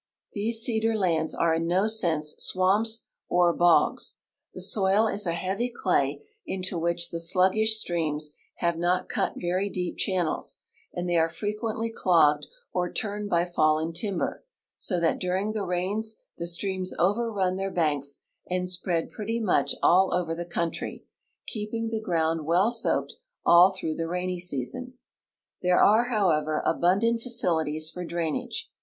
These cedar lands are in no sense swamps or bogs. The soil is a heavy clay, into which the sluggish streams have not cut very deep channels, and they are frequently clogged or turned by fallen timber, so that during the rains the streams overrun their banks and spread ]>retty much all over the country, keeping the ground Avell soaked all through the rainy season. There are, liowever, abundant facilities for drainage.